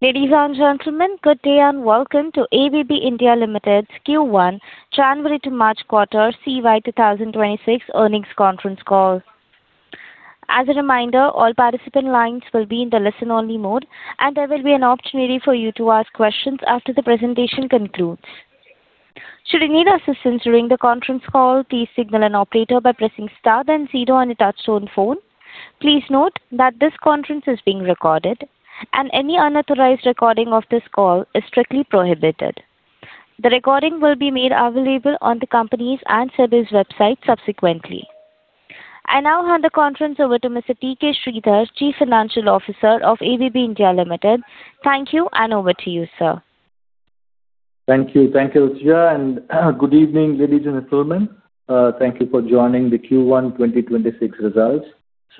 Ladies and gentlemen, good day and welcome to ABB India Limited's Q1 January to March quarter CY 2026 earnings conference call. As a reminder, all participant lines will be in the listen-only mode, and there will be an opportunity for you to ask questions after the presentation concludes. Should you need assistance during the conference call, please signal an operator by pressing star then zero on your touch-tone phone. Please note that this conference is being recorded, and any unauthorized recording of this call is strictly prohibited. The recording will be made available on the company's and service website subsequently. I now hand the conference over to Mr. T. K. Sridhar, Chief Financial Officer of ABB India Limited. Thank you, and over to you, sir. Thank you. Thank you, Rucha, and good evening, ladies and gentlemen. Thank you for joining the Q1 2026 results.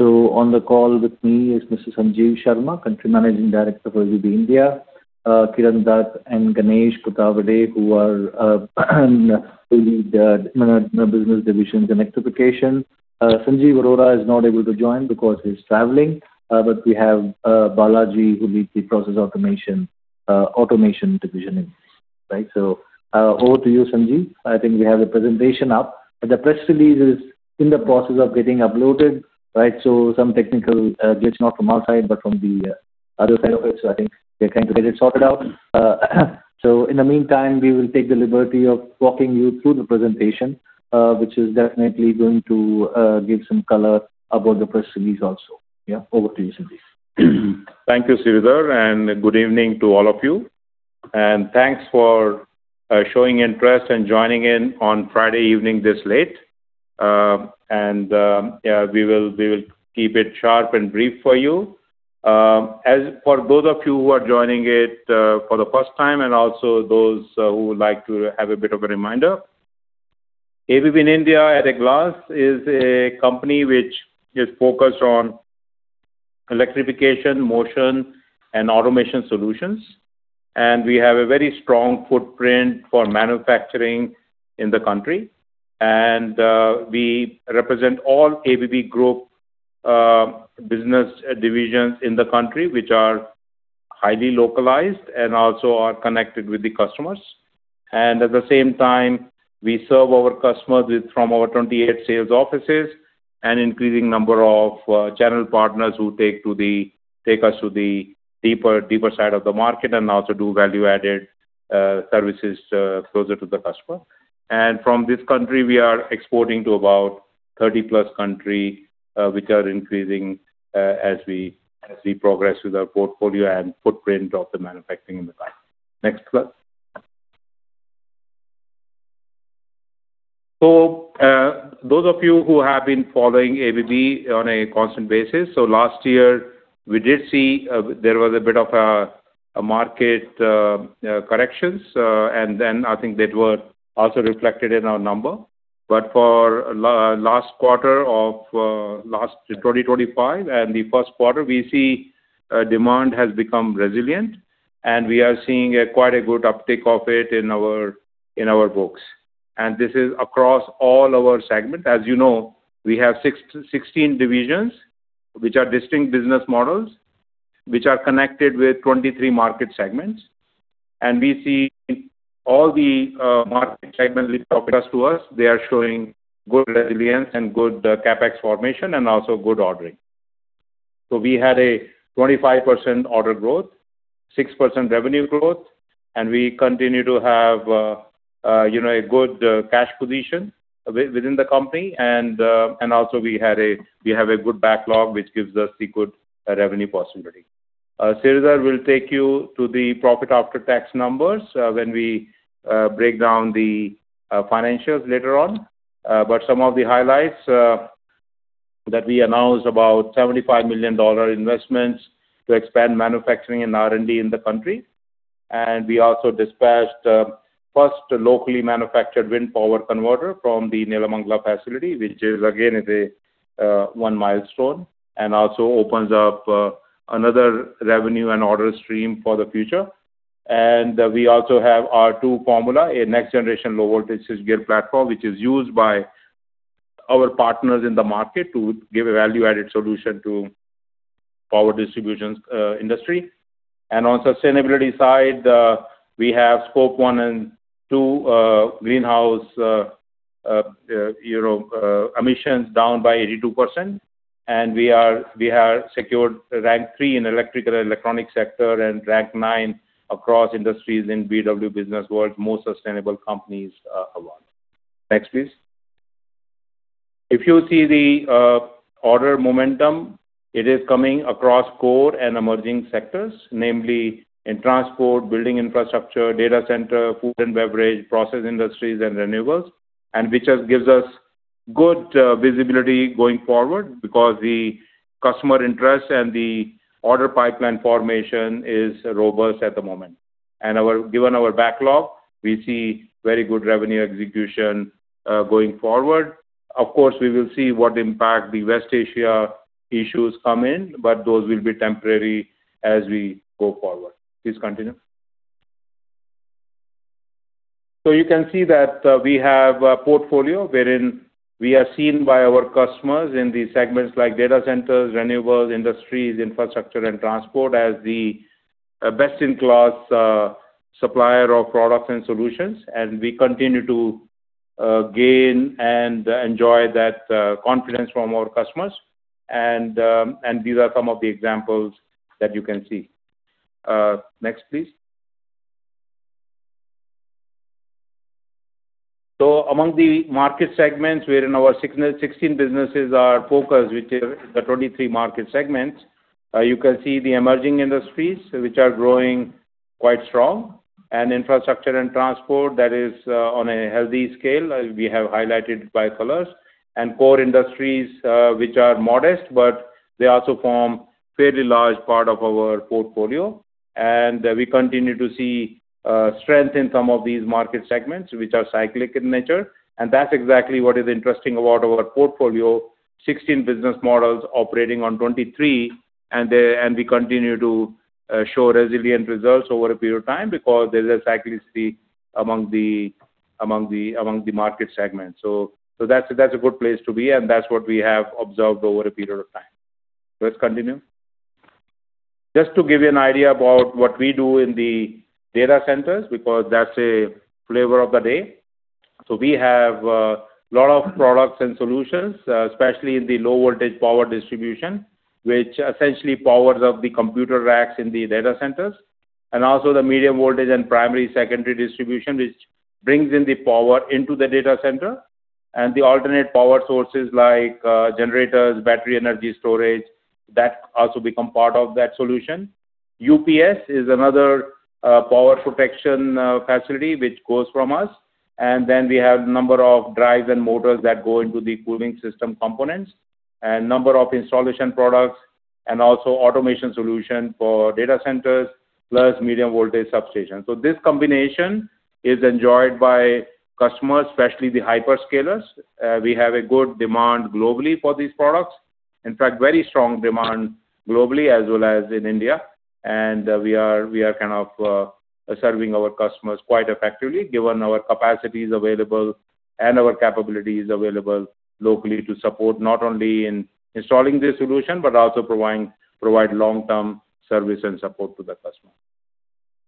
On the call with me is Mr. Sanjeev Sharma, Country Managing Director for ABB India. Kiran Dutt and Ganesh Kothawade, who lead business divisions and Electrification. Sanjeev Arora is not able to join because he's traveling. But we have Balaji, who leads the process automation division in. Right. Over to you, Sanjeev. I think we have the presentation up. The press release is in the process of getting uploaded, right? Some technical glitch, not from our side, but from the other side of it. I think they're trying to get it sorted out. In the meantime, we will take the liberty of walking you through the presentation, which is definitely going to give some color about the press release also. Over to you, Sanjeev. Thank you, Sridhar. Good evening to all of you. Thanks for showing interest and joining in on Friday evening this late. Yeah, we will keep it sharp and brief for you. As for those of you who are joining it for the first time and also those who would like to have a bit of a reminder. ABB in India at a glance is a company which is focused on Electrification, Motion, and Automation solutions. We have a very strong footprint for manufacturing in the country. We represent all ABB Group business divisions in the country, which are highly localized and also are connected with the customers. At the same time, we serve our customers with from our 28 sales offices, an increasing number of channel partners who take us to the deeper side of the market and also do value-added services closer to the customer. From this country, we are exporting to about 30 plus countries, which are increasing as we progress with our portfolio and footprint of the manufacturing in the country. Next slide. Those of you who have been following ABB on a constant basis, last year we did see there was a bit of a market corrections, and I think that were also reflected in our number. For last quarter of 2025 and the first quarter, we see demand has become resilient, and we are seeing quite a good uptick of it in our books. This is across all our segments. As you know, we have 16 divisions which are distinct business models, which are connected with 23 market segments. We see all the market segments which talk us to us. They are showing good resilience and good CapEx formation and also good ordering. We had a 25% order growth, 6% revenue growth, and we continue to have, you know, a good cash position within the company. Also we have a good backlog, which gives us the good revenue possibility. Sridhar will take you to the profit after tax numbers when we break down the financials later on. Some of the highlights that we announced about $75 million investments to expand manufacturing and R&D in the country. We also dispatched first locally manufactured wind power converter from the Nelamangala facility, which is again is a 1 milestone and also opens up another revenue and order stream for the future. We also have ArTu Formula, a next generation low voltage gear platform, which is used by our partners in the market to give a value-added solution to power distributions industry. On sustainability side, we have Scope 1 and 2 greenhouse, you know, emissions down by 82%. We have secured rank three in electrical and electronic sector and rank nine across industries in BW Businessworld Most Sustainable Companies award. Next, please. If you see the order momentum, it is coming across core and emerging sectors, namely in transport, building infrastructure, data center, food and beverage, process industries and renewables. Which gives us good visibility going forward because the customer interest and the order pipeline formation is robust at the moment. Given our backlog, we see very good revenue execution going forward. Of course, we will see what impact the West Asia issues come in, but those will be temporary as we go forward. Please continue. You can see that we have a portfolio wherein we are seen by our customers in these segments like data centers, renewables, industries, infrastructure, and transport as the best-in-class supplier of products and solutions, and we continue to gain and enjoy that confidence from our customers. These are some of the examples that you can see. Next, please. Among the market segments wherein our six to 6 businesses are focused, which is the 23 market segments, you can see the emerging industries which are growing quite strong. Infrastructure and transport, that is on a healthy scale, as we have highlighted by colors. Core industries, which are modest, but they also form fairly large part of our portfolio. We continue to see strength in some of these market segments, which are cyclic in nature. That's exactly what is interesting about our portfolio, 16 business models operating on 23, and we continue to show resilient results over a period of time because there's a cyclicity among the market segments. That's a good place to be, and that's what we have observed over a period of time. Let's continue. Just to give you an idea about what we do in the data centers, because that's a flavor of the day. We have a lot of products and solutions, especially in the low voltage power distribution, which essentially powers up the computer racks in the data centers. Also the medium voltage and primary secondary distribution, which brings in the power into the data center. The alternate power sources like generators, Battery Energy Storage, that also become part of that solution. UPS is another power protection facility which goes from us. Then we have number of drives and motors that go into the cooling system components, and number of installation products, also automation solution for data centers, plus medium voltage substations. This combination is enjoyed by customers, especially the hyperscalers. We have a good demand globally for these products. In fact, very strong demand globally as well as in India. We are kind of serving our customers quite effectively given our capacities available and our capabilities available locally to support not only in installing the solution, but also providing long-term service and support to the customer.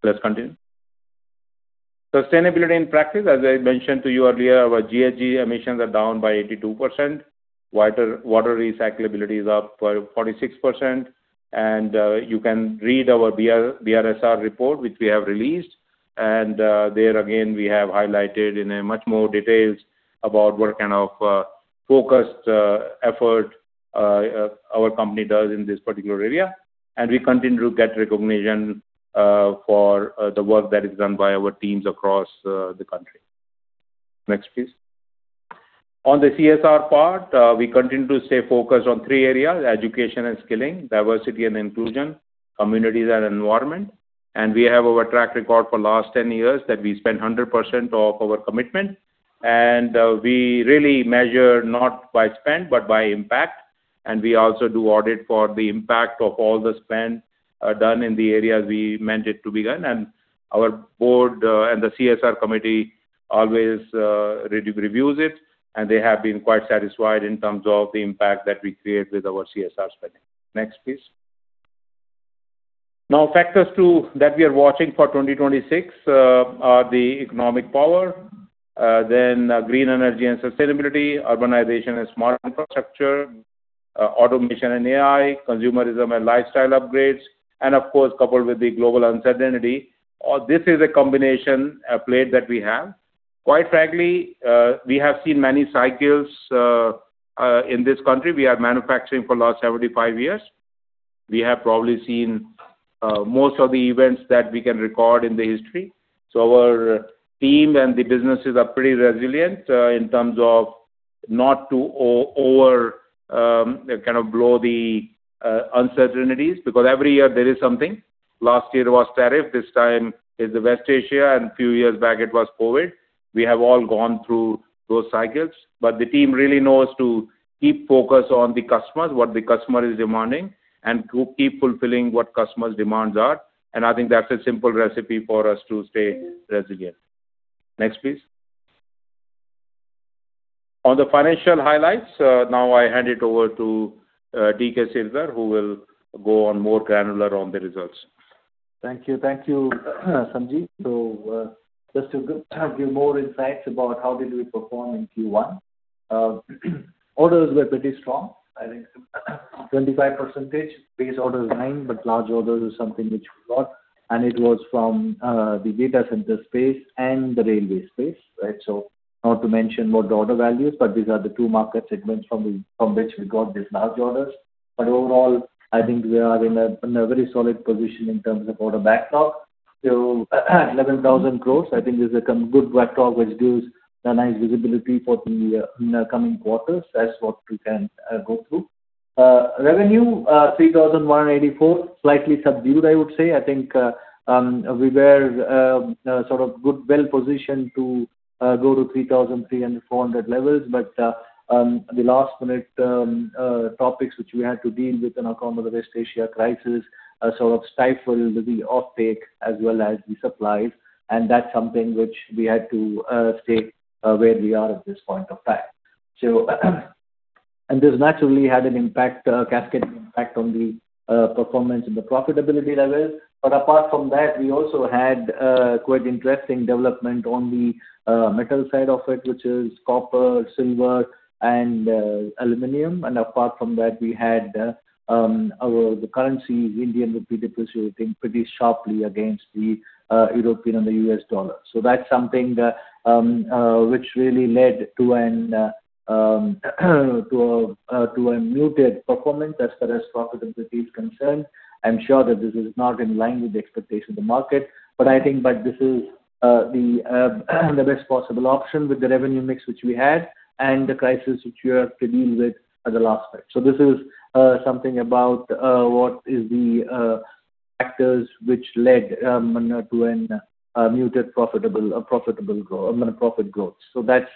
Let's continue. Sustainability and practice, as I mentioned to you earlier, our GHG emissions are down by 82%. Water recyclability is up 46%. You can read our BRSR report, which we have released. There again, we have highlighted in a much more details about what kind of focused effort our company does in this particular area. We continue to get recognition for the work that is done by our teams across the country. Next, please. On the CSR part, we continue to stay focused on 3 areas: education and skilling, diversity and inclusion, communities and environment. We have our track record for last 10 years that we spend 100% of our commitment. We really measure not by spend, but by impact. We also do audit for the impact of all the spend done in the areas we meant it to be done. Our board and the CSR committee always re-reviews it, and they have been quite satisfied in terms of the impact that we create with our CSR spending. Next, please. Factors that we are watching for 2026 are the economic power, green energy and sustainability, urbanization and smart infrastructure, automation and AI, consumerism and lifestyle upgrades, coupled with the global uncertainty. This is a combination, a plate that we have. Quite frankly, we have seen many cycles in this country. We are manufacturing for last 75 years. We have probably seen most of the events that we can record in the history. Our team and the businesses are pretty resilient in terms of not to over kind of blow the uncertainties, because every year there is something. Last year it was tariff, this time is the West Asia, and few years back it was COVID. We have all gone through those cycles. The team really knows to keep focus on the customers, what the customer is demanding, and to keep fulfilling what customers' demands are. I think that's a simple recipe for us to stay resilient. Next, please. On the financial highlights, now I hand it over to T. K. Sridhar, who will go on more granular on the results. Thank you. Thank you, Sanjeev. Just to kind of give more insights about how did we perform in Q1. Orders were pretty strong. I think 25% base orders 9, large orders is something which we got, and it was from the data center space and the railway space, right. Not to mention what the order values, these are the two market segments from which we got these large orders. Overall, I think we are in a very solid position in terms of order backlog. 11,000 crore, I think is a good backlog, which gives a nice visibility for the in the coming quarters. That's what we can go through. Revenue, 3,184, slightly subdued, I would say. I think we were well-positioned to go to 3,300, 400 levels. The last-minute topics which we had to deal with with the West Asia crisis, sort of stifled the offtake as well as the supplies, and that's something which we had to stay where we are at this point of time. This naturally had an impact, cascading impact on the performance and the profitability levels. Apart from that, we also had quite interesting development on the metal side of it, which is copper, silver and aluminum. Apart from that, we had the currency Indian rupee depreciating pretty sharply against the European and the US dollar. That's something that which really led to a muted performance as far as profitability is concerned. I'm sure that this is not in line with the expectation of the market, I think that this is the best possible option with the revenue mix which we had and the crisis which we have to deal with at the last part. This is something about what is the factors which led to a profit growth. That's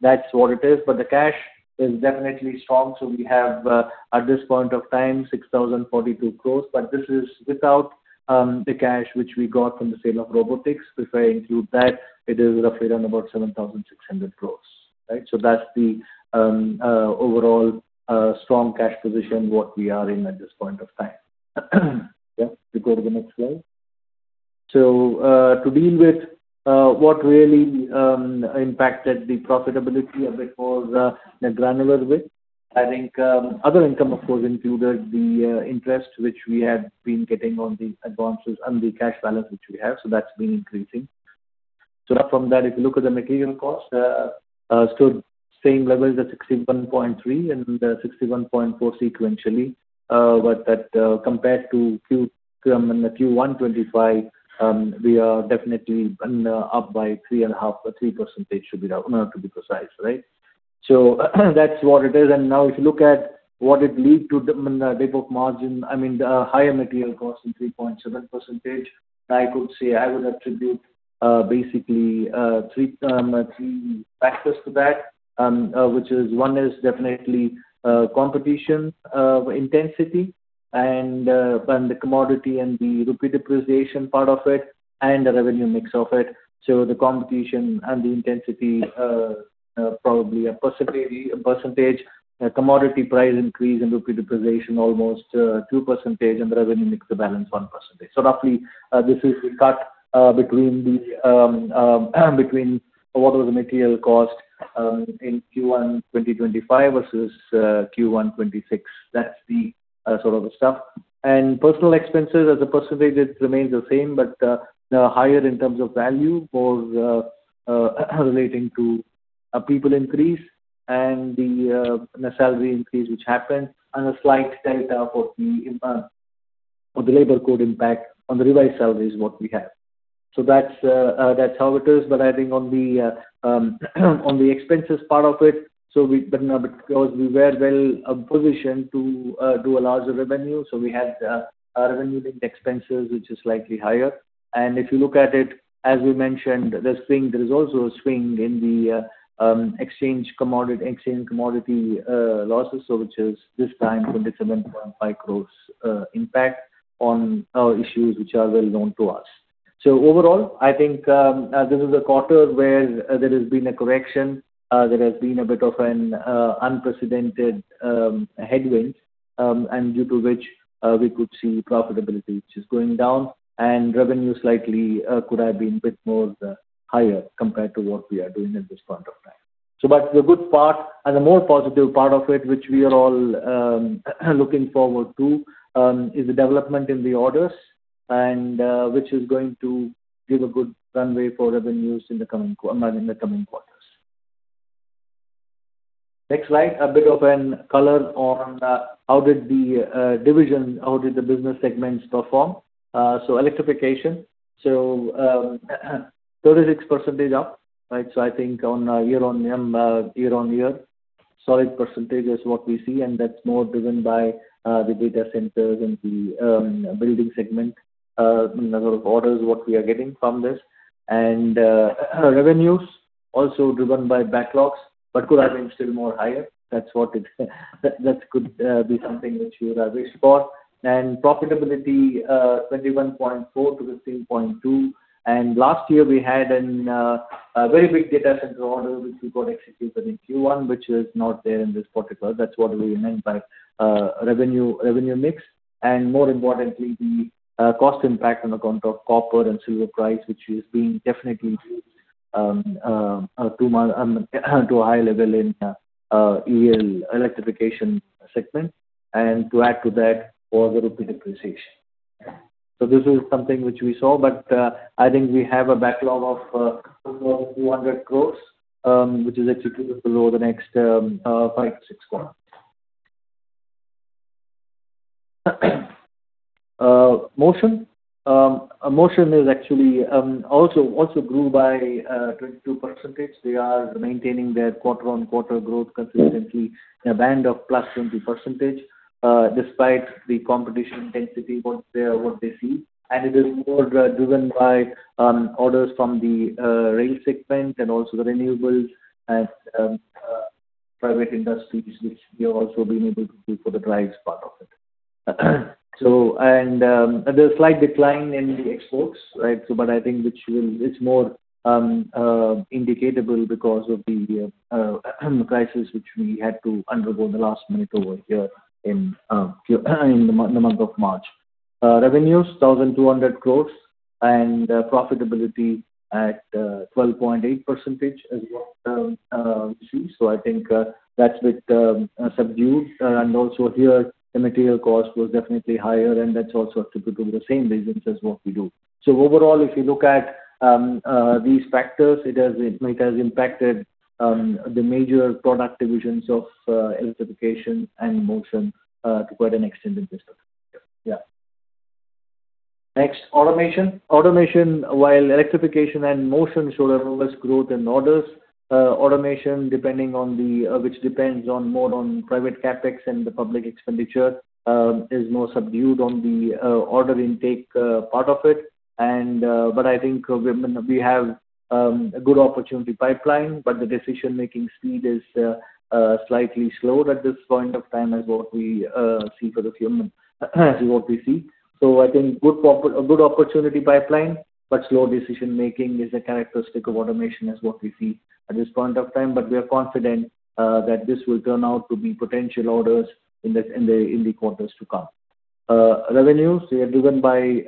that's what it is. The cash is definitely strong. We have at this point of time, 6,042 crores. This is without the cash which we got from the sale of robotics. If I include that, it is roughly around about 7,600 crores, right? That's the overall strong cash position, what we are in at this point of time. Yeah. We go to the next slide. To deal with what really impacted the profitability a bit more, the granular way, I think, other income of course included the interest which we had been getting on the advances and the cash balance which we have. That's been increasing. Apart from that, if you look at the material cost, same level as the 61.3 and 61.4 sequentially. But that compared to Q1 2025, we are definitely up by 3.5% or 3% to be precise, right? That's what it is. Now if you look at what it lead to the dip of margin, I mean the higher material cost in 3.7%, I could say I would attribute, basically, three factors to that. Which is 1 is definitely competition intensity and the commodity and the rupee depreciation part of it and the revenue mix of it. The competition and the intensity, probably a possibly percentage. Commodity price increase and rupee depreciation almost 2% and the revenue mix, the balance 1%. Roughly, this is the cut between what was the material cost in Q1 2025 versus Q1 2026. That's the sort of stuff. Personal expenses as a percentage, it remains the same, but higher in terms of value relating to a people increase and the salary increase which happened and a slight delta of the labor code impact on the revised salaries, what we have. That's how it is. I think on the expenses part of it, but now because we were well positioned to do a larger revenue, we had revenue linked expenses, which is slightly higher. If you look at it, as we mentioned, the swing, there is also a swing in the exchange commodity losses. Which is this time 27.5 crores impact on issues which are well known to us. Overall, I think, this is a quarter where there has been a correction, there has been a bit of an unprecedented headwinds, and due to which, we could see profitability which is going down and revenue slightly could have been bit more higher compared to what we are doing at this point of time. But the good part and the more positive part of it, which we are all looking forward to, is the development in the orders and which is going to give a good runway for revenues in the coming quarters. Next slide. A bit of an color on how did the division, how did the business segments perform. Electrification. 36% up, right? I think on a year-on-year, solid percentage is what we see, and that's more driven by the data centers and the building segment sort of orders, what we are getting from this. Revenues also driven by backlogs, but could have been still more higher. That could be something which you would have wished for. Profitability 21.4% to 13.2%. Last year we had a very big data center order which we got executed in Q1, which is not there in this quarter. That's what we meant by revenue mix, and more importantly, the cost impact on account of copper and silver price, which is being definitely to a high level in EL Electrification segment. To add to that for the rupee depreciation. This is something which we saw, but I think we have a backlog of 200 crores, which is executed below the next 5-6 quarters. Motion. Motion is actually grew by 22%. They are maintaining their quarter on quarter growth consistently in a band of +20%, despite the competition intensity, what they see. It is more driven by orders from the rail segment and also the renewables and private industries, which we have also been able to do for the drives part of it. There's a slight decline in the exports, right? It's more indicatable because of the crisis which we had to undergo in the last minute over here in the month of March. Revenues 1,200 crores and profitability at 12.8% as what we see. I think that's bit subdued. And also here the material cost was definitely higher, and that's also attributable to the same reasons as what we do. Overall, if you look at these factors, it might has impacted the major product divisions of Electrification and Motion to quite an extended system. Yeah. Next, Automation. Automation, while Electrification and Motion showed a robust growth in orders, Automation, depending on which depends more on private CapEx and the public expenditure, is more subdued on the order intake part of it. But I think we have a good opportunity pipeline, but the decision-making speed is slightly slowed at this point of time as what we see. I think a good opportunity pipeline, but slow decision making is a characteristic of Automation is what we see at this point of time. We are confident that this will turn out to be potential orders in the quarters to come. Revenues, they are driven by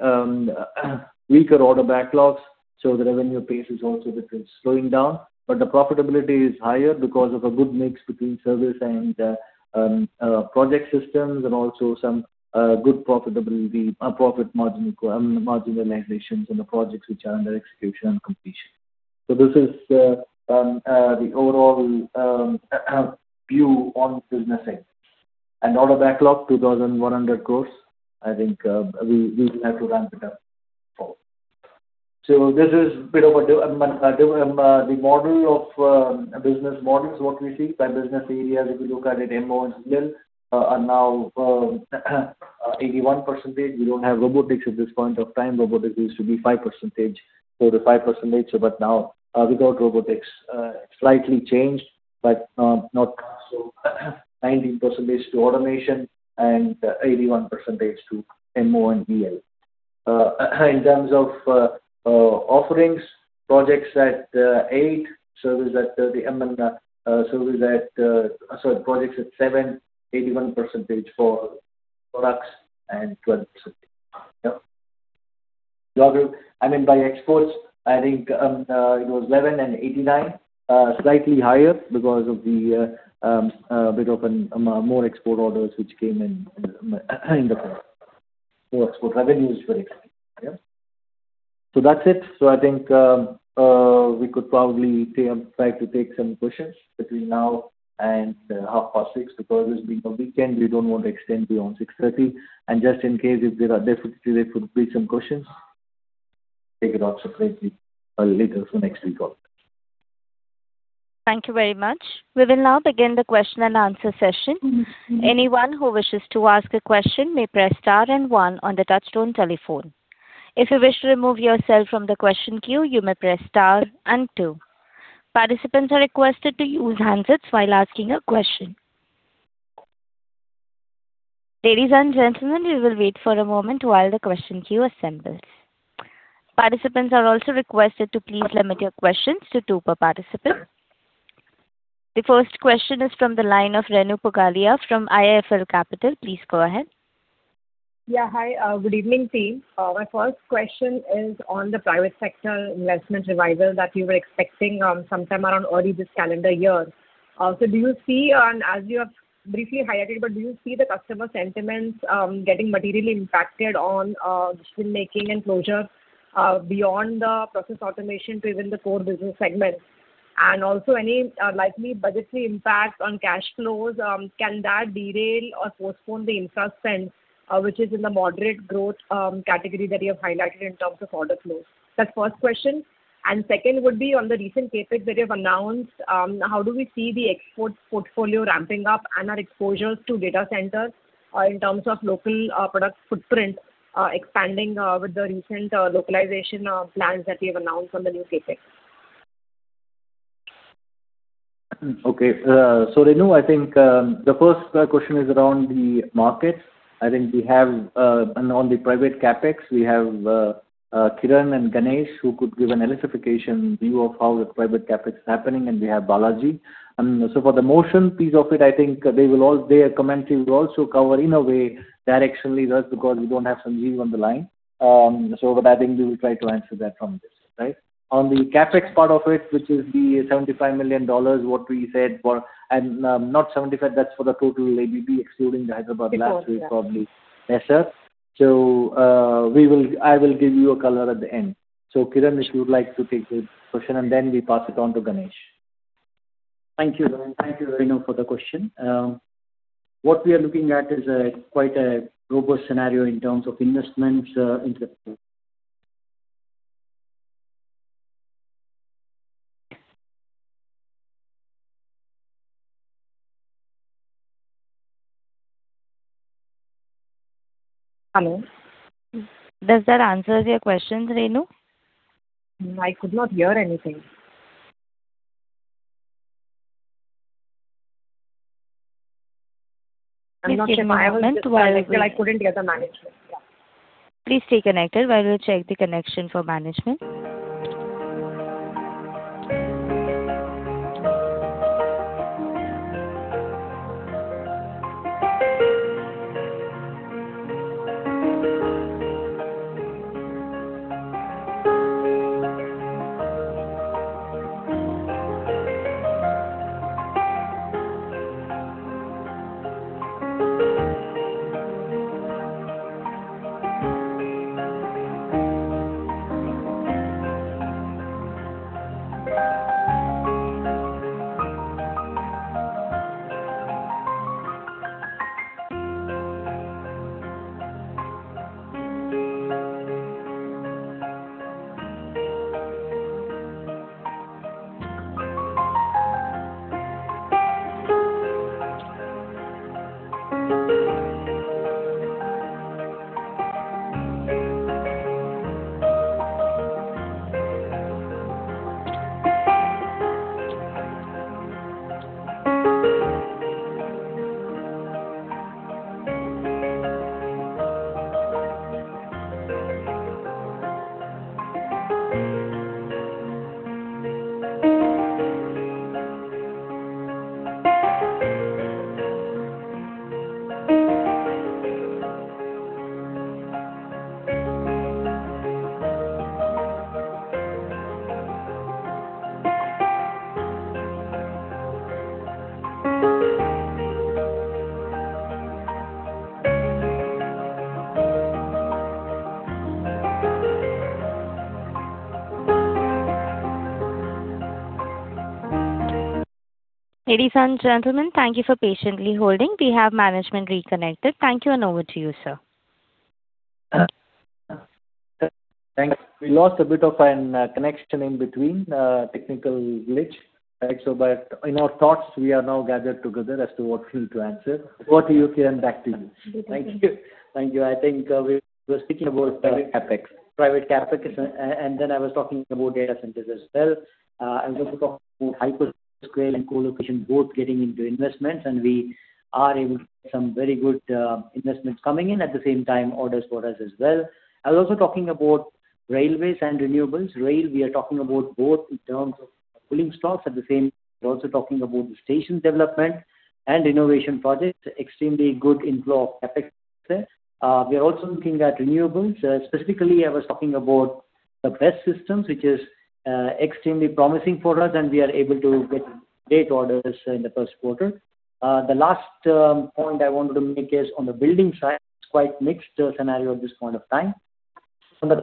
weaker order backlogs, the revenue pace is also different, slowing down. The profitability is higher because of a good mix between service and project systems and also some good profitability, profit margin marginalizations in the projects which are under execution and completion. This is the overall view on business end. Order backlog 2,100 crores. I think we will have to ramp it up forward. This is bit of the model of business models, what we see by business area, if you look at it, MO and EL are now 81%. We don't have robotics at this point of time. Robotics used to be 5%. The 5%, but now, without Robotics, slightly changed, but not so 19% to Automation and 81% to MO and EL. In terms of offerings, projects at 7, service at, 81% for products and 12%. Larger I mean by exports, I think, it was 11 and 89, slightly higher because of a bit of an more export orders which came in in the quarter. More export revenue is very high. That's it. I think we could probably take, try to take some questions between now and 6:30 P.M. Because it's been a weekend, we don't want to extend beyond 6:30 P.M. Just in case if there are difficulties to repeat some questions, take it up separately, later for next week also. Thank you very much. We will now begin the question and answer session. Participants are requested to use handsets while asking a question. Participants are also requested to please limit your questions to two per participant. The first question is from the line of Renu Pugalia from IIFL Capital. Please go ahead. Yeah, hi. Good evening team. My first question is on the private sector investment revival that you were expecting, sometime around early this calendar year. Do you see, as you have briefly highlighted, do you see the customer sentiments getting materially impacted on decision-making and closure, beyond the process automation to even the core business segments? Also any likely budgetary impact on cash flows, can that derail or postpone the infra spend, which is in the moderate growth category that you have highlighted in terms of order flows? That's first question. Second would be on the recent CapEx that you've announced. How do we see the export portfolio ramping up and our exposures to data centers, in terms of local product footprint expanding with the recent localization plans that you have announced on the new CapEx? Okay. Renu, I think, the first question is around the markets. I think we have, and on the private CapEx, we have Kiran and Ganesh, who could give an Electrification view of how the private CapEx is happening, and we have Balaji. For the Motion piece of it, I think they will all, their commentary will also cover in a way that actually does because we don't have Sanjeev on the line. With that, I think we will try to answer that from this, right? On the CapEx part of it, which is the $75 million, what we said for, not $75 million, that's for the total ABB excluding the Hyderabad lab- It was, yeah. It's probably Yes, sir. I will give you a color at the end. Kiran, if you would like to take the question, and then we pass it on to Ganesh. Thank you. Thank you, Renu, for the question. What we are looking at is quite a robust scenario in terms of investments. Hello? Does that answer your question, Renu? No, I could not hear anything. I'm not sure, ma'am. I couldn't hear the management. Yeah. Please stay connected while we check the connection for management. Ladies and gentlemen, thank you for patiently holding. We have management reconnected. Thank you, and over to you, sir. Thanks. We lost a bit of an connection in between, technical glitch, right? But in our thoughts, we are now gathered together as to what field to answer. Over to you, Kiran Dutt, back to you. Thank you. Thank you. I think, we were speaking about private CapEx. Private CapEx is, and then I was talking about data centers as well. I was also talking about hyperscale and colocation both getting into investments, and we are able to get some very good investments coming in. At the same time, orders for us as well. I was also talking about railways and renewables. Rail, we are talking about both in terms of pulling stocks. At the same, we're also talking about the station development and innovation projects. Extremely good inflow of CapEx there. We are also looking at renewables. Specifically, I was talking about the BESS systems, which is extremely promising for us, and we are able to get great orders in the first quarter. The last point I wanted to make is on the building side, it's quite mixed scenario at this point of time. On the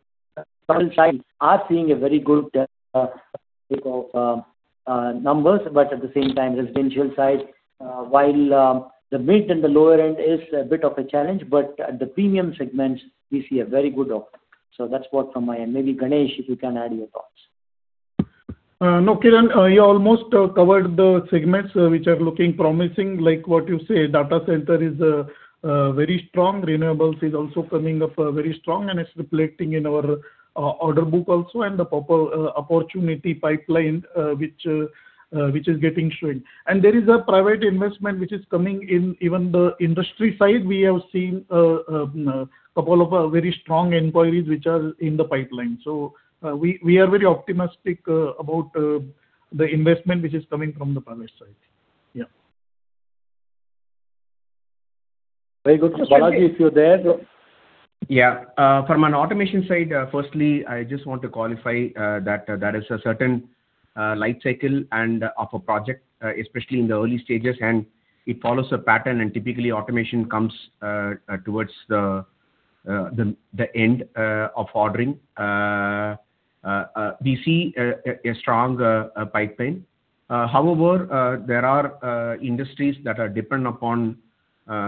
commercial side, we are seeing a very good, you know, numbers, but at the same time, residential side, while the mid and the lower end is a bit of a challenge, but at the premium segments, we see a very good offer. That's what from my end. Maybe, Ganesh, if you can add your thoughts. No, Kiran, you almost covered the segments which are looking promising. Like what you say, data center is very strong. Renewables is also coming up very strong, and it's reflecting in our order book also and the opportunity pipeline, which is getting shrink. There is a private investment which is coming in even the industry side. We have seen a couple of very strong inquiries which are in the pipeline. We are very optimistic about the investment which is coming from the private side. Yeah. Very good. Balaji, if you're there, go. Yeah. From an automation side, firstly, I just want to qualify that there is a certain life cycle and of a project, especially in the early stages, it follows a pattern, and typically automation comes towards the end of ordering. We see a strong pipeline. However, there are industries that are dependent upon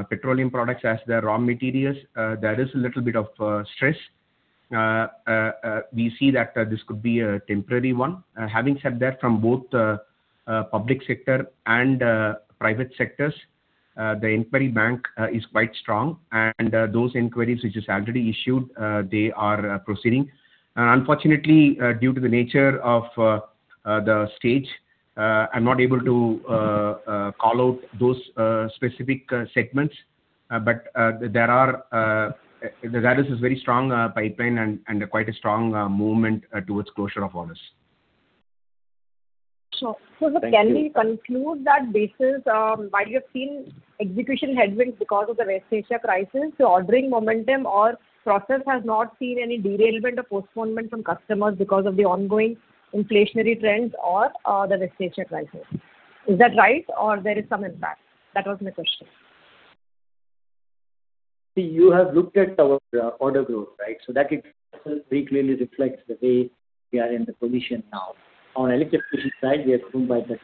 petroleum products as their raw materials. There is a little bit of stress. We see that this could be a temporary one. Having said that, from both public sector and private sectors, the inquiry bank is quite strong. Those inquiries which is already issued, they are proceeding. Unfortunately, due to the nature of the stage, I'm not able to call out those specific segments. There is this very strong pipeline and quite a strong movement towards closure of orders. Can we conclude that basis, while you have seen execution headwinds because of the West Asia crisis, the ordering momentum or process has not seen any derailment or postponement from customers because of the ongoing inflationary trends or the West Asia crisis? Is that right or there is some impact? That was my question. See, you have looked at our order growth, right? That itself very clearly reflects the way we are in the position now. On Electrification side, we are driven by the.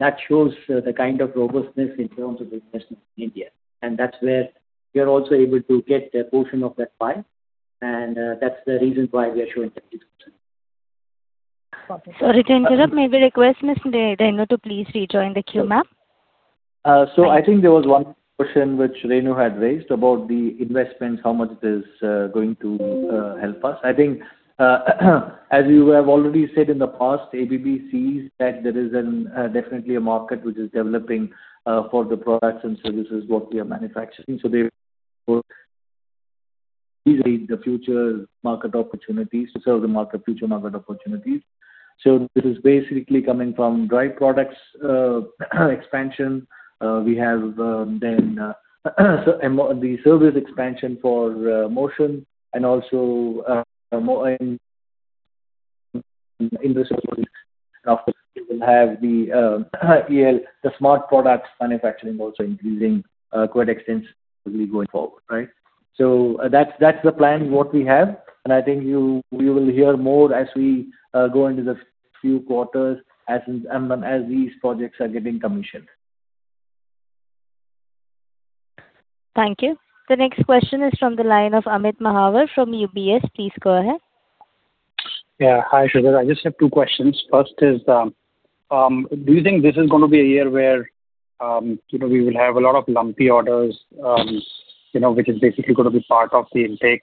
That shows the kind of robustness in terms of investment in India. That's where we are also able to get a portion of that pie. That's the reason why we are showing that execution. Copy. Sorry to interrupt. May we request Ms. Renu to please rejoin the queue, ma'am? I think there was one question which Renu had raised about the investments, how much it is going to help us. I think, as you have already said in the past, ABB sees that there is an definitely a market which is developing for the products and services what we are manufacturing. They work easily the future market opportunities to serve the market, future market opportunities. We have then the service expansion for Motion and also Motion industry. Of course, we will have the EL, the smart products manufacturing also increasing quite extensively going forward, right? That's the plan what we have, and I think you will hear more as we go into the few quarters as these projects are getting commissioned. Thank you. The next question is from the line of Amit Mahawar from UBS. Please go ahead. Yeah. Hi, 35:22Sridhar. I just have two questions. First is, do you think this is gonna be a year where, you know, we will have a lot of lumpy orders, you know, which is basically gonna be part of the intake?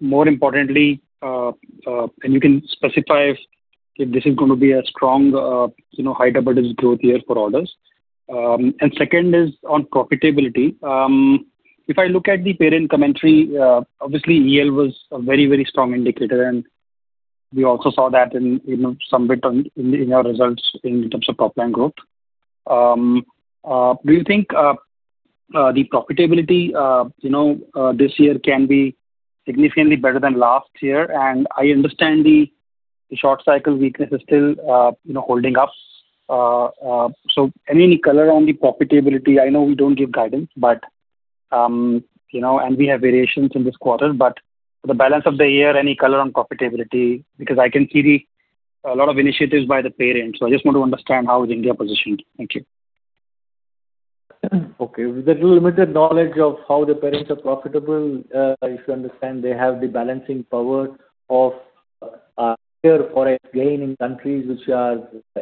More importantly, can you specify if this is gonna be a strong, you know, high double digits growth year for orders? Second is on profitability. If I look at the parent commentary, obviously EL was a very, very strong indicator, and we also saw that in, you know, some bit on in your results in terms of top line growth. Do you think the profitability, you know, this year can be significantly better than last year? I understand the short cycle weakness is still, you know, holding up. Any color on the profitability? I know we don't give guidance, but, you know, and we have variations in this quarter. For the balance of the year, any color on profitability? I can see the, a lot of initiatives by the parents, so I just want to understand how is India positioned. Thank you. Okay. With the limited knowledge of how the parents are profitable, if you understand, they have the balancing power of here for a gain in countries which are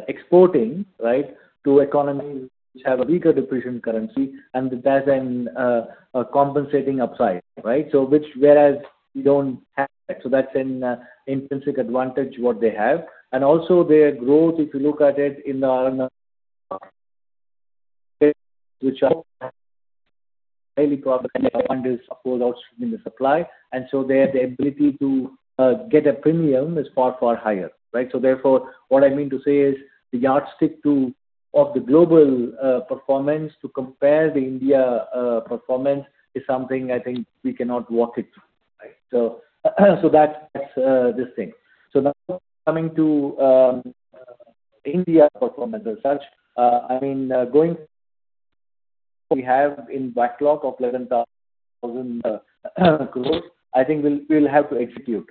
exporting, right, to economies which have a weaker depreciating currency and that's in a compensating upside, right? which whereas we don't have that's an intrinsic advantage what they have. also their growth, if you look at it in the Which are highly profitable and is of course also in the supply. Their ability to get a premium is far, far higher, right? Therefore, what I mean to say is the yardstick of the global performance to compare the India performance is something I think we cannot walk it through, right? That's this thing. Now coming to India performance as such, I mean, going we have in backlog of 11,000 crores, I think we'll have to execute.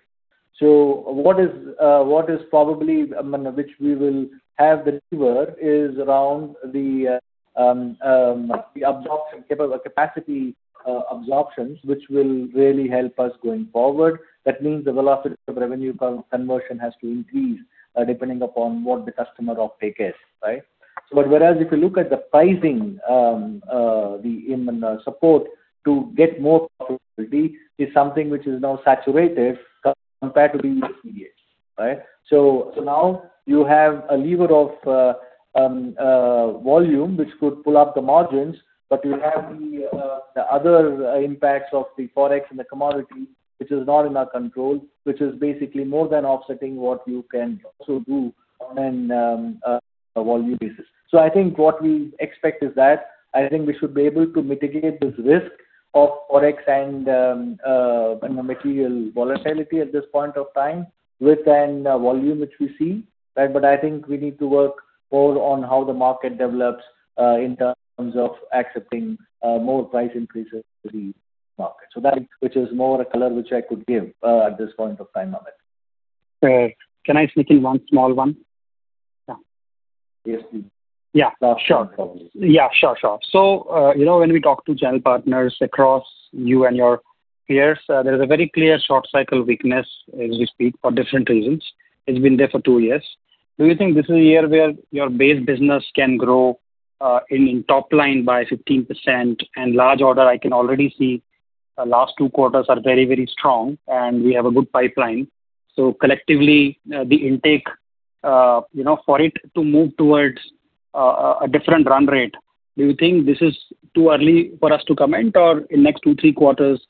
What is, what is probably, which we will have the lever is around the absorption capacity absorptions which will really help us going forward. That means the velocity of revenue conversion has to increase, depending upon what the customer offtake is, right? Whereas if you look at the pricing, the support to get more profitability is something which is now saturated compared to the previous years. Now you have a lever of volume which could pull up the margins, but you have the other impacts of the Forex and the commodity which is not in our control, which is basically more than offsetting what you can also do on an volume basis. I think what we expect is that I think we should be able to mitigate this risk of Forex and material volatility at this point of time with an volume which we see. I think we need to work more on how the market develops in terms of accepting more price increases to the market. That which is more a color which I could give, at this point of time, Amit. Can I sneak in one small one? Yeah. Please do. Yeah. Sure. Last one probably. Yeah, sure. You know, when we talk to channel partners across you and your peers, there is a very clear short cycle weakness as we speak for different reasons. It's been there for two years. Do you think this is a year where your base business can grow in top line by 15% and large order I can already see last 2 quarters are very, very strong and we have a good pipeline. Collectively, the intake, you know, for it to move towards a different run rate, do you think this is too early for us to comment or in next 2, 3 quarters,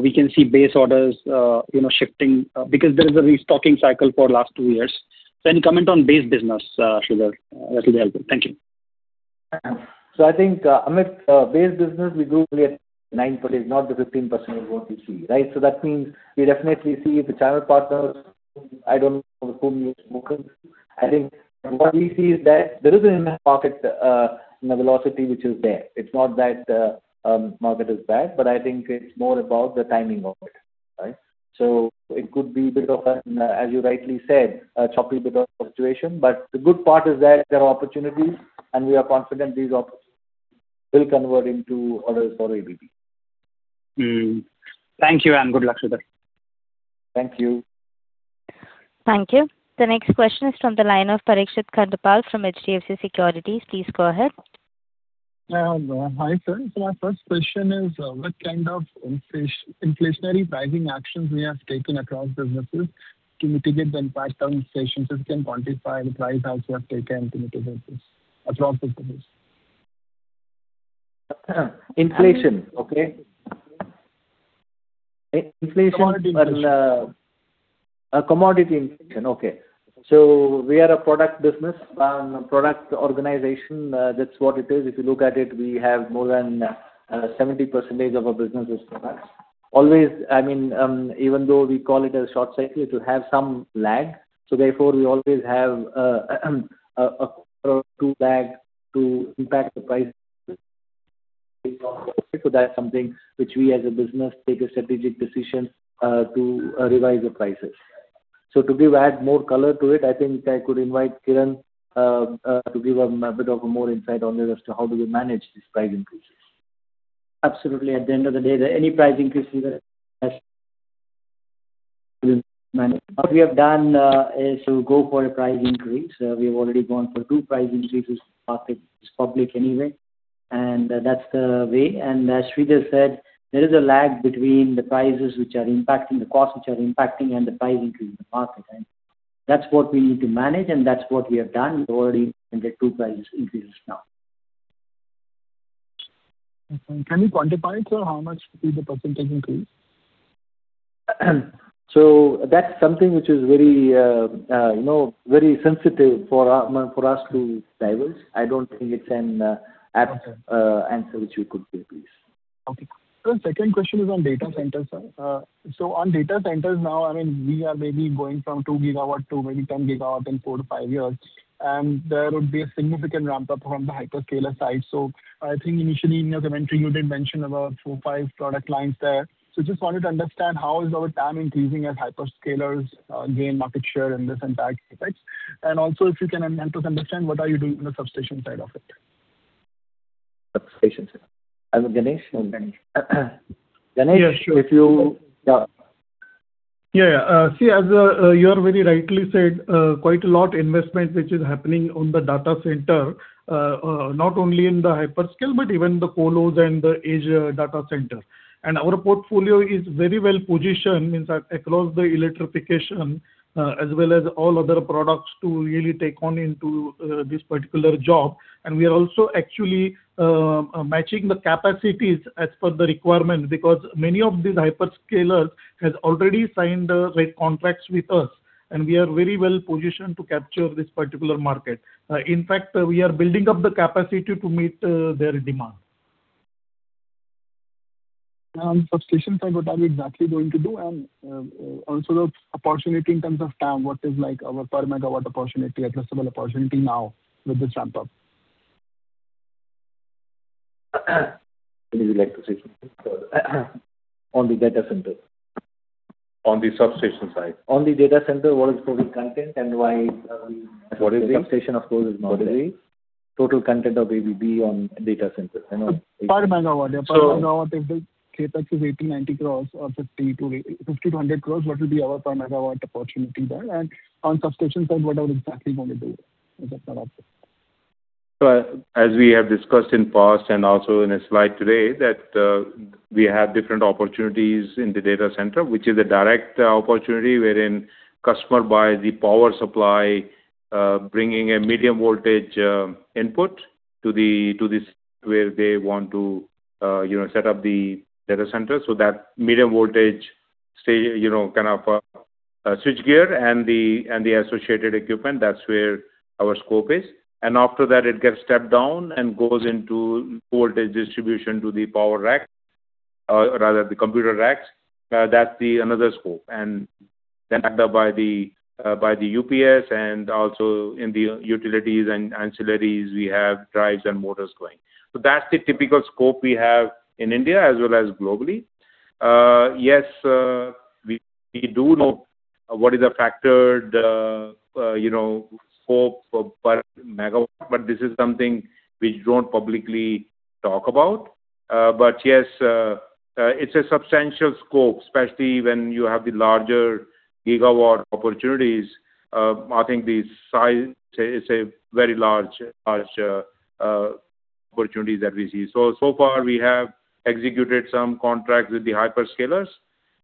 we can see base orders, you know, shifting because there is a restocking cycle for last 2 years. Any comment on base business, Sridhar, that'll be helpful. Thank you. I think, Amit, base business we grew only at 9%, not the 15% what you see, right? That means we definitely see the channel partners, I don't know whom you've spoken to. I think what we see is that there is an in the market, you know, velocity which is there. It's not that market is bad, but I think it's more about the timing of it, right? It could be bit of an, as you rightly said, a choppy bit of situation. The good part is that there are opportunities and we are confident these opportunities will convert into orders for ABB. Thank you and good luck with it. Thank you. Thank you. The next question is from the line of Parikshit Kandpal from HDFC Securities. Please go ahead. Hi, sir. My first question is, what kind of inflationary pricing actions we have taken across businesses to mitigate the impact on stations that can quantify the price also have taken to mitigate this across businesses? Inflation, okay. Inflation. Commodity inflation. Commodity inflation. Okay. We are a product business, product organization, that's what it is. If you look at it, we have more than 70% of our business is products. Always I mean, even though we call it a short cycle, it will have some lag. Therefore, we always have a quarter or two lag to impact the price. That's something which we as a business take a strategic decision to revise the prices. To give, add more color to it, I think I could invite Kiran to give a bit of a more insight on it as to how do we manage these price increases. Absolutely. At the end of the day, any price increase we will manage. What we have done is to go for a price increase. We have already gone for 2 price increases. Market is public anyway, that's the way. As Sridhar said, there is a lag between the prices which are impacting, the costs which are impacting and the price increase in the market. That's what we need to manage, and that's what we have done already in the 2 price increases now. Okay. Can you quantify, sir, how much is the % increase? That's something which is very, you know, very sensitive for our, for us to divulge. Okay. -apt, answer which we could give, please. Okay. Sir, second question is on data centers, sir. On data centers now, I mean, we are maybe going from 2 GW to maybe 10 GW in four to five years. There would be a significant ramp-up from the hyperscaler side. I think initially in your commentary you did mention about 4, 5 product lines there. Just wanted to understand how is our TAM increasing as hyperscalers gain market share and this impact, effects. Also if you can help us understand what are you doing on the substation side of it. Substations. Ganesh. Ganesh- Yeah, sure. if you Yeah. Yeah, yeah. See, as you have very rightly said, quite a lot investment which is happening on the data center, not only in the hyperscale, but even the colocation and the edge data center. Our portfolio is very well positioned inside across the Electrification, as well as all other products to really take on into this particular job. We are also actually matching the capacities as per the requirement because many of these hyperscalers has already signed rate contracts with us, and we are very well positioned to capture this particular market. In fact, we are building up the capacity to meet their demand. On substation side, what are you exactly going to do? Also the opportunity in terms of TAM, what is like our per megawatt opportunity, adjustable opportunity now with this ramp-up? Maybe you'd like to say something, sir? On the data center. On the substation side. On the data center, what is total content and why? What is it? Substation, of course, is not there. What is it? Total content of ABB on data centers. Per megawatt. Yeah. So- Per megawatt, if the CapEx is INR 80, INR 90 crores or INR 50 crores-INR 100 crores, what will be our per megawatt opportunity there? On substation side, what are we exactly going to do? Is that an option? As we have discussed in past and also in a slide today, that, we have different opportunities in the data center, which is a direct opportunity wherein customer buys the power supply, bringing a medium voltage input to the, to this where they want to, you know, set up the data center. That medium voltage, you know, kind of, switchgear and the, and the associated equipment, that's where our scope is. After that, it gets stepped down and goes into voltage distribution to the power rack, rather the computer racks. That's the another scope. Then backed up by the UPS and also in the utilities and ancillaries, we have drives and motors going. That's the typical scope we have in India as well as globally. Yes, we do know what is the factored, you know, scope for per megawatt, but this is something we don't publicly talk about. Yes, it's a substantial scope, especially when you have the larger gigawatt opportunities. I think the size is a very large opportunities that we see. So far we have executed some contracts with the hyperscalers.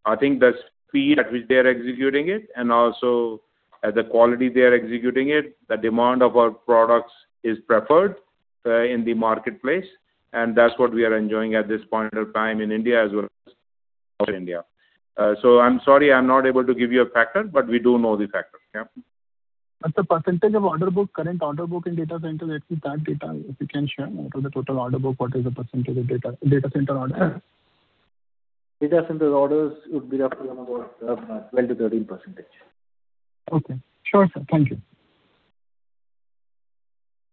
I think the speed at which they're executing it and also the quality they are executing it, the demand of our products is preferred in the marketplace, and that's what we are enjoying at this point of time in India as well as outside India. I'm sorry I'm not able to give you a factor, but we do know the factor. Yeah. The percentage of order book, current order book in data centers, if you've that data, if you can share out of the total order book, what is the percentage of data center order? Data center orders would be roughly around about 12%-13%. Okay. Sure, sir. Thank you.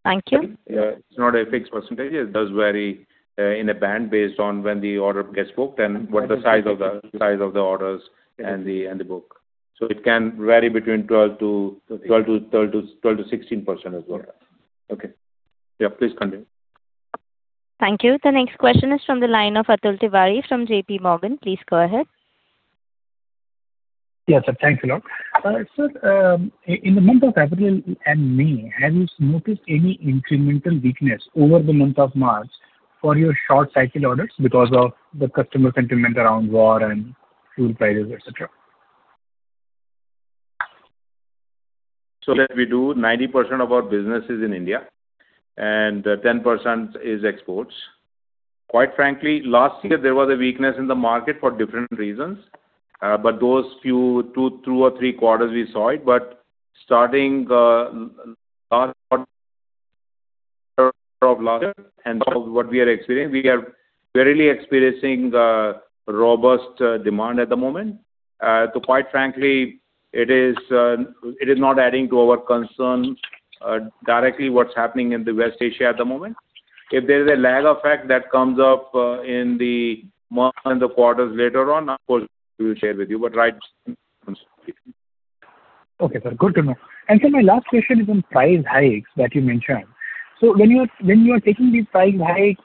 Thank you. Yeah. It's not a fixed percentage. It does vary in a band based on when the order gets booked and what the size of the. Okay. size of the orders and the, and the book. It can vary between 12 to- Okay. 12%-16% as well. Yeah. Okay. Yeah. Please continue. Thank you. The next question is from the line of Atul Tiwari from J.P. Morgan. Please go ahead. Yes, sir. Thanks a lot. Sir, in the month of April and May, have you noticed any incremental weakness over the month of March for your short cycle orders because of the customer sentiment around war and fuel prices, et cetera? That we do 90% of our business is in India and 10% is exports. Quite frankly, last year there was a weakness in the market for different reasons, but those few, 2 or 3 quarters we saw it. Starting last quarter of last year and so what we are experiencing, we are really experiencing robust demand at the moment. Quite frankly, it is not adding to our concerns directly what's happening in the West Asia at the moment. If there is a lag effect that comes up in the month and the quarters later on, of course, we will share with you. Right now. Okay, sir. Good to know. sir, my last question is on price hikes that you mentioned. when you are taking these price hikes,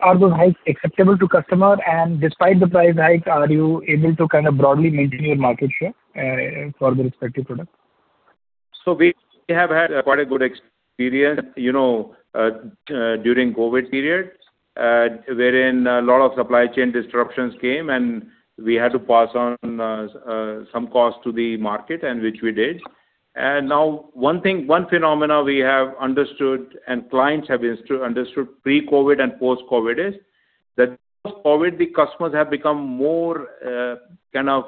are those hikes acceptable to customer? despite the price hikes, are you able to kind of broadly maintain your market share for the respective products? We have had quite a good experience, you know, during COVID period, wherein a lot of supply chain disruptions came and we had to pass on some costs to the market and which we did. Now one thing, one phenomena we have understood and clients have understood pre-COVID and post-COVID is that post-COVID the customers have become more, kind of,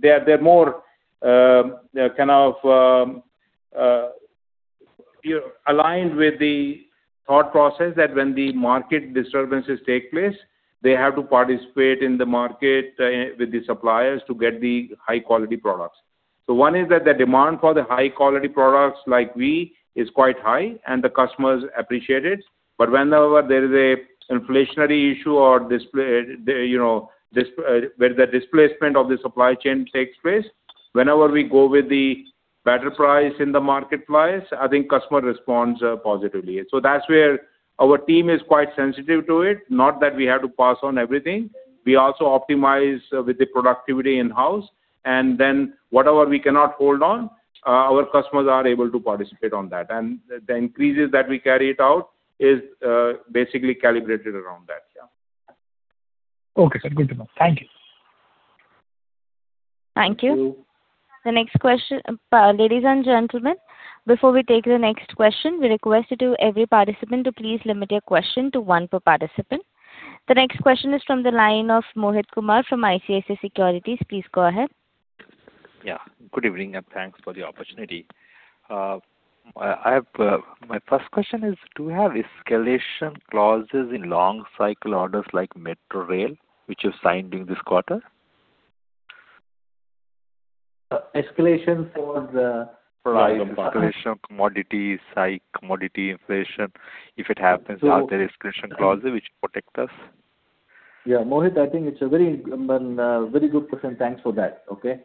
they're more, they're kind of, you know, aligned with the thought process that when the market disturbances take place, they have to participate in the market with the suppliers to get the high quality products. One is that the demand for the high quality products like we is quite high and the customers appreciate it. Whenever there is an inflationary issue or where the displacement of the supply chain takes place, whenever we go with the better price in the marketplace, I think customer responds positively. That's where our team is quite sensitive to it, not that we have to pass on everything. We also optimize with the productivity in-house and then whatever we cannot hold on, our customers are able to participate on that. The increases that we carry it out is basically calibrated around that. Yeah. Okay, sir. Good to know. Thank you. Thank you. The next question, ladies and gentlemen, before we take the next question, we request you to every participant to please limit your question to one per participant. The next question is from the line of Mohit Kumar from ICICI Securities. Please go ahead. Yeah. Good evening, and thanks for the opportunity. I have my first question is: Do you have escalation clauses in long cycle orders like Metro Rail, which you signed in this quarter? Escalation for the price. Escalation, commodities, high commodity inflation. If it happens. So- are there escalation clauses which protect us? Yeah. Mohit, I think it's a very, very good question. Thanks for that. Okay.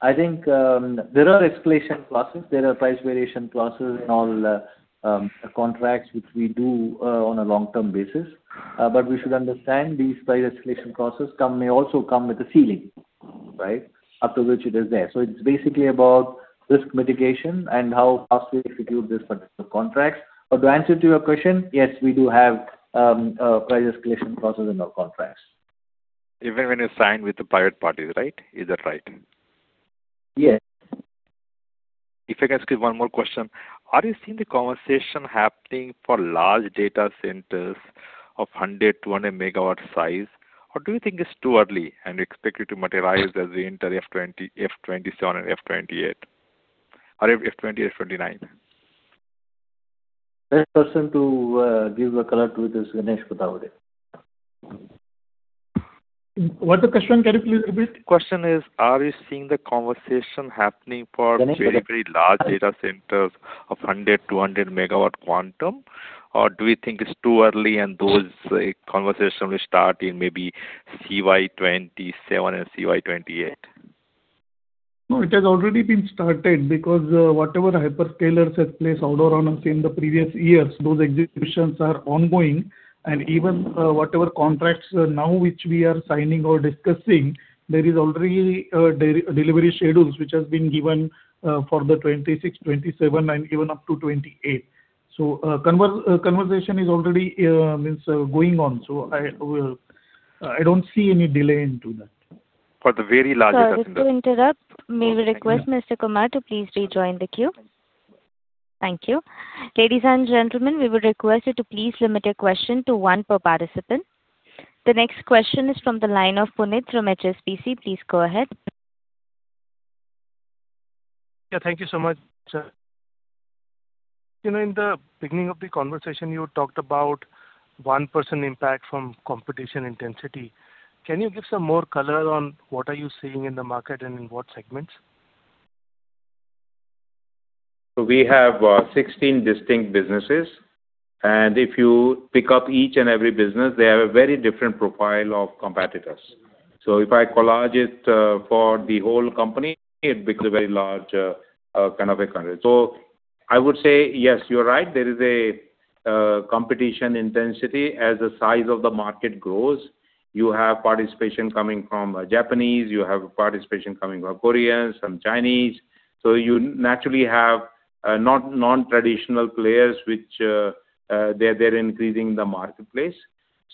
I think there are escalation clauses, there are price variation clauses in all contracts which we do on a long-term basis. We should understand these price escalation clauses may also come with a ceiling, right, after which it is there. It's basically about risk mitigation and how fast we execute this particular contract. To answer to your question, yes, we do have price escalation clauses in our contracts. Even when you sign with the private parties, right? Is that right? Yes. If I can ask you one more question. Are you seeing the conversation happening for large data centers of 100, 200 megawatt size or do you think it's too early and you expect it to materialize as we enter FY 2027 and FY 2028, FY 2029? Best person to give the color to this, Ganesh Kothawade. What's the question? Can you please repeat? Question is, are you seeing the conversation happening for-? very, very large data centers of 100, 200 MW quantum or do you think it's too early and those, like, conversation will start in maybe CY 2027 and CY 2028? No, it has already been started because whatever hyperscalers had placed order on us in the previous years, those executions are ongoing. Even, whatever contracts now which we are signing or discussing, there is already delivery schedules which has been given for 2026, 2027 and even up to 2028. Conversation is already means going on. I will, I don't see any delay into that. For the very large data centers. Sorry to interrupt. May we request Mr. Kumar to please rejoin the queue. Thank you. Ladies and gentlemen, we would request you to please limit your question to one per participant. The next question is from the line of Puneet from HSBC. Please go ahead. Yeah. Thank you so much, sir. You know, in the beginning of the conversation, you talked about one percent impact from competition intensity. Can you give some more color on what are you seeing in the market and in what segments? We have 16 distinct businesses, and if you pick up each and every business, they have a very different profile of competitors. If I collage it for the whole company, it becomes a very large kind of a country. I would say, yes, you're right. There is a competition intensity as the size of the market grows. You have participation coming from Japanese, you have participation coming from Koreans, from Chinese. You naturally have not non-traditional players which they're increasing the marketplace.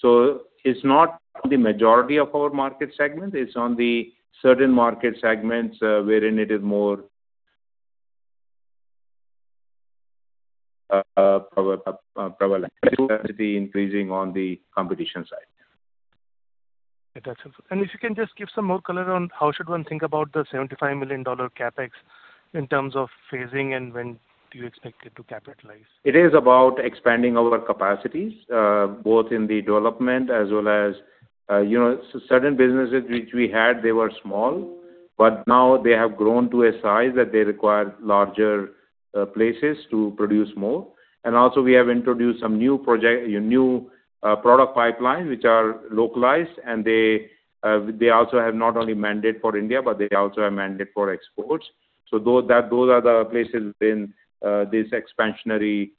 It's not the majority of our market segment. It's on the certain market segments wherein it is more prevalent. It has to be increasing on the competition side. Okay. That's it. If you can just give some more color on how should one think about the $75 million CapEx in terms of phasing and when do you expect it to capitalize? It is about expanding our capacities, both in the development as well as certain businesses which we had, they were small, but now they have grown to a size that they require larger places to produce more. Also, we have introduced some new product pipeline, which are localized, and they also have not only mandate for India, but they also have mandate for exports. Those are the places in this expansionary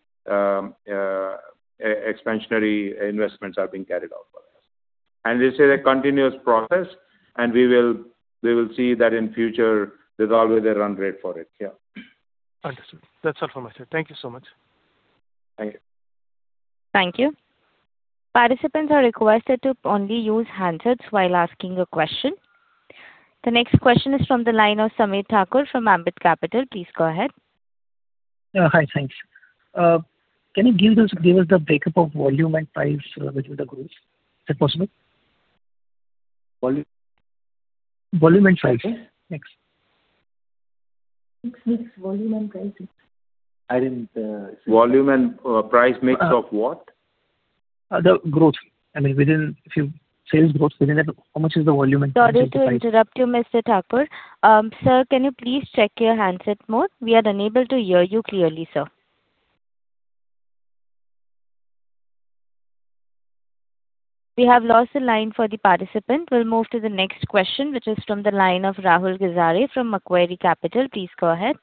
investments are being carried out for us. This is a continuous process, and we will see that in future there's always a run rate for it. Understood. That's all for me, sir. Thank you so much. Thank you. Thank you. Participants are requested to only use handsets while asking a question. The next question is from the line of Sameer Thakur from Ambit Capital. Please go ahead. Hi. Thanks. Can you give us the breakup of volume and price within the groups? Is that possible? Volume- Volume and price mix. Sorry, sir? Mix, volume, and price, mix. I didn't, volume and, price mix of what? The growth. I mean, within few sales growth, within that how much is the volume and price? Sorry to interrupt you, Mr. Thakur. Sir, can you please check your handset mode? We are unable to hear you clearly, sir. We have lost the line for the participant. We'll move to the next question, which is from the line of Rahul Gajare from Macquarie Capital. Please go ahead.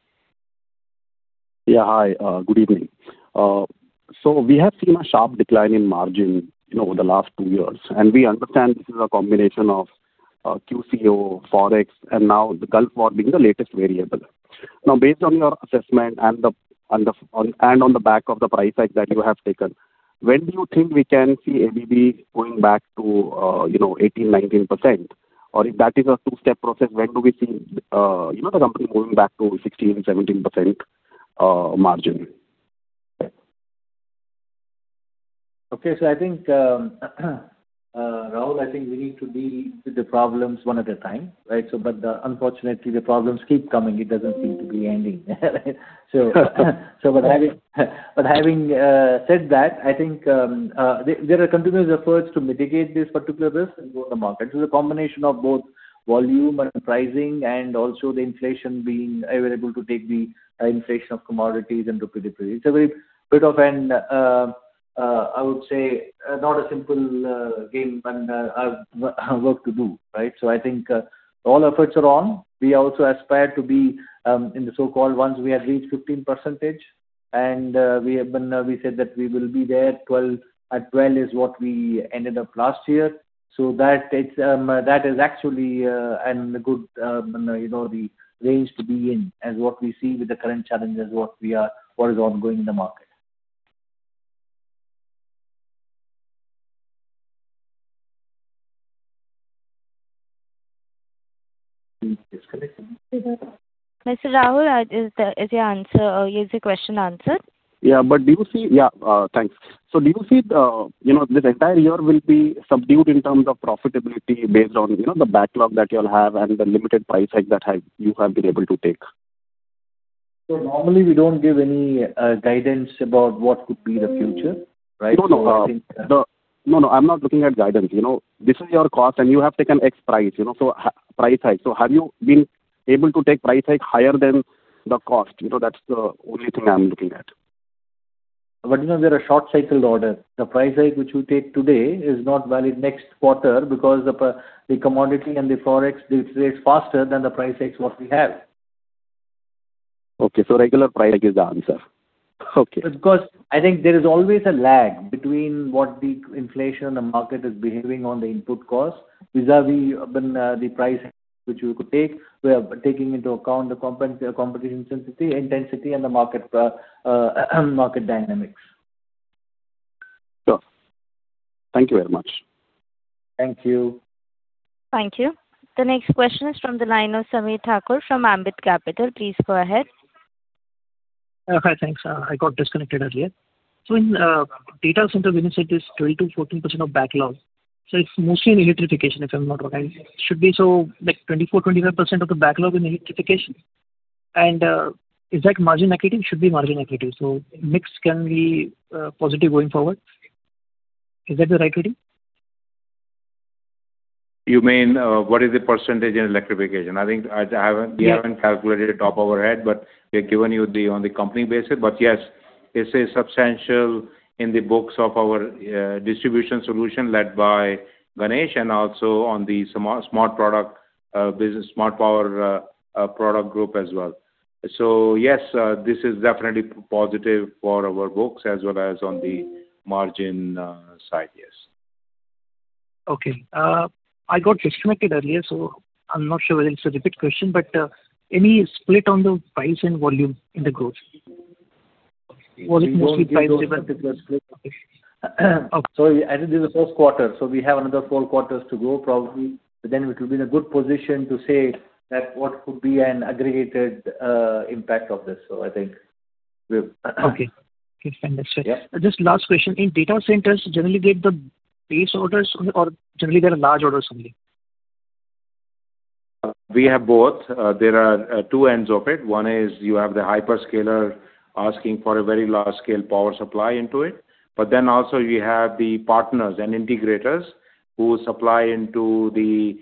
Yeah. Hi. Good evening. We have seen a sharp decline in margin, you know, over the last two years, and we understand this is a combination of QCO, Forex, and now the Gulf War being the latest variable. Based on your assessment and on the back of the price hike that you have taken, when do you think we can see ABB going back to, you know, 18%, 19%? Or if that is a 2-step process, when do we see, you know, the company going back to 16%, 17% margin? Okay. I think, Rahul, I think we need to deal with the problems one at a time, right? But, unfortunately, the problems keep coming. It doesn't seem to be ending. But having said that, I think there are continuous efforts to mitigate this particular risk and grow the market. The combination of both volume and pricing and also the inflation being able to take the inflation of commodities into consideration. It's a very bit of an, I would say, not a simple game and work to do, right? I think all efforts are on. We also aspire to be in the so-called ones we had reached 15%. We have been, we said that we will be there at 12. At 12 is what we ended up last year. That is actually, and a good, you know, the range to be in as what we see with the current challenges, what is ongoing in the market. Disconnection. Mr. Rahul, is your question answered? Do you see Yeah. thanks. Do you see the, you know, this entire year will be subdued in terms of profitability based on, you know, the backlog that you'll have and the limited price hike that you have been able to take? Normally, we don't give any guidance about what could be the future, right? No, no, I'm not looking at guidance. You know, this is your cost, and you have taken X price, you know, so price hike. Have you been able to take price hike higher than the cost? You know, that's the only thing I'm looking at. You know, they're a short cycled order. The price hike which you take today is not valid next quarter because the commodity and the Forex rates faster than the price hikes what we have. Okay. Regular price hike is the answer. Okay. I think there is always a lag between what the inflation in the market is behaving on the input cost vis-a-vis the price which you could take. We are taking into account the competition intensity and the market dynamics. Sure. Thank you very much. Thank you. Thank you. The next question is from the line of Sameer Thakur from Ambit Capital. Please go ahead. Hi. Thanks. I got disconnected earlier. In data center, we can say there's 20%-14% of backlog. It's mostly in electrification, if I'm not wrong. It should be so, like, 24%, 25% of the backlog in electrification. Is that margin accretive? Should be margin accretive. Mix can be positive going forward. Is that the right reading? You mean, what is the % in Electrification? Yeah. We haven't calculated it top overhead, we have given you the, on the company basis. Yes, it's a substantial in the books of our Distribution Solutions led by Ganesh, and also on the smart product business Smart Power product group as well. Yes, this is definitely positive for our books as well as on the margin side. Yes. Okay. I got disconnected earlier, so I'm not sure whether this is a repeat question. Any split on the price and volume in the growth? Okay. As it is the first quarter, so we have another 4 quarters to go probably. We could be in a good position to say that what could be an aggregated impact of this. Okay. Okay, understood. Yeah. Just last question. In data centers, generally they have the base orders or generally they are large orders only? We have both. There are two ends of it. One is you have the hyperscaler asking for a very large scale power supply into it. Also you have the partners and integrators who supply into the,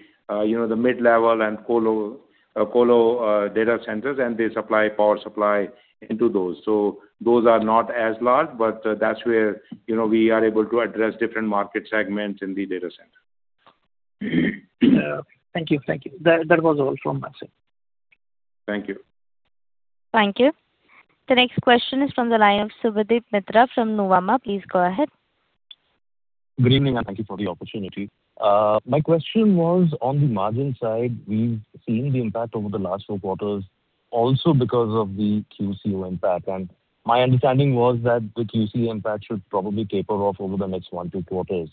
you know, the mid-level and colo data centers, and they supply power supply into those. Those are not as large, but that's where, you know, we are able to address different market segments in the data center. Thank you. Thank you. That was all from my side. Thank you. Thank you. The next question is from the line of Subhadip Mitra from Nuvama. Please go ahead. Good evening, and thank you for the opportunity. My question was on the margin side. We've seen the impact over the last 4 quarters also because of the QCO impact, and my understanding was that the QCO impact should probably taper off over the next 1, 2 quarters.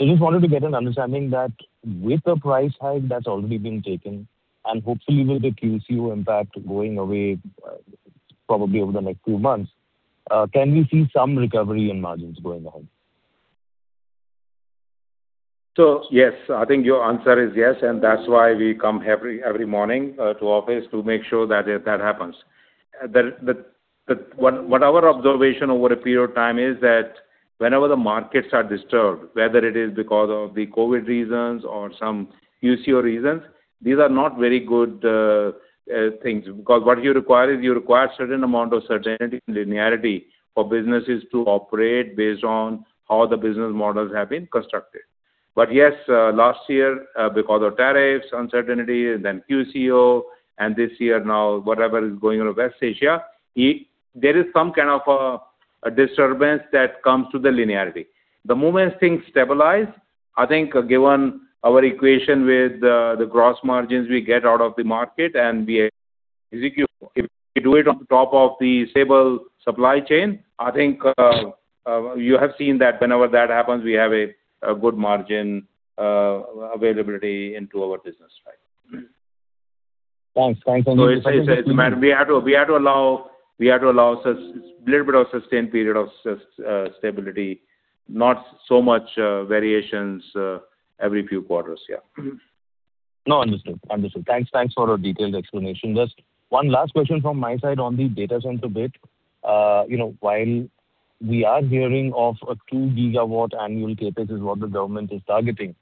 Just wanted to get an understanding that with the price hike that's already been taken and hopefully with the QCO impact going away, probably over the next few months, can we see some recovery in margins going ahead? Yes, I think your answer is yes, and that's why we come every morning to office to make sure that happens. Our observation over a period of time is that whenever the markets are disturbed, whether it is because of the COVID reasons or some QCO reasons, these are not very good things. What you require is you require a certain amount of certainty and linearity for businesses to operate based on how the business models have been constructed. Yes, last year, because of tariffs, uncertainty, and then QCO, and this year now whatever is going on in West Asia, there is some kind of a disturbance that comes to the linearity. The moment things stabilize, I think given our equation with the gross margins we get out of the market and basically if we do it on top of the stable supply chain, I think you have seen that whenever that happens, we have a good margin availability into our business. Right. Thanks. Thanks very much. It's a matter. We have to allow a little bit of sustained period of stability, not so much variations every few quarters. Yeah. No, understood. Understood. Thanks. Thanks for a detailed explanation. Just one last question from my side on the data center bit. you know, while we are hearing of a 2 GW annual CapEx is what the government is targeting,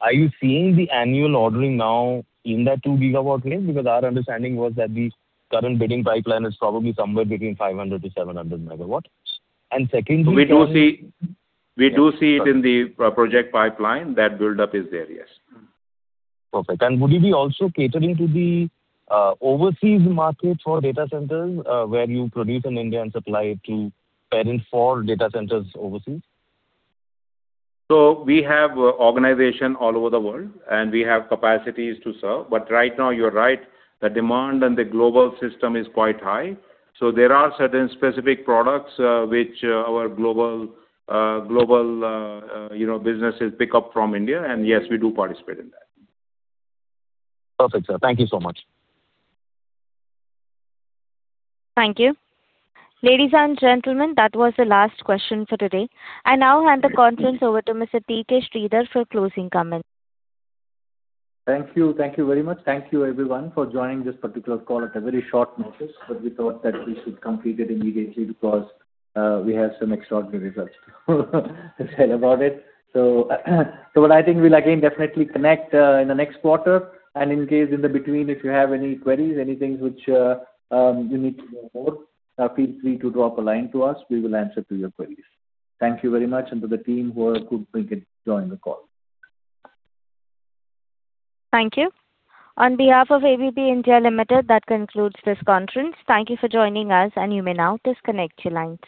are you seeing the annual ordering now in that 2 gigawatt range? Because our understanding was that the current bidding pipeline is probably somewhere between 500 MW-700 MW. We do see it in the project pipeline. That buildup is there, yes. Perfect. Would you be also catering to the overseas market for data centers, where you produce in India and supply to parent for data centers overseas? We have organization all over the world, and we have capacities to serve. Right now, you're right, the demand in the global system is quite high. There are certain specific products, which, our global, you know, businesses pick up from India, and yes, we do participate in that. Perfect, sir. Thank you so much. Thank you. Ladies and gentlemen, that was the last question for today. I now hand the conference over to Mr. T. K. Sridhar for closing comments. Thank you. Thank you very much. Thank you everyone for joining this particular call at a very short notice. We thought that we should complete it immediately because we have some extraordinary results to share about it. What I think we'll again definitely connect in the next quarter. In case in the between, if you have any queries, anything which you need to know more, feel free to drop a line to us. We will answer to your queries. Thank you very much, and to the team who could make it, join the call. Thank you. On behalf of ABB India Limited, that concludes this conference. Thank you for joining us, and you may now disconnect your lines.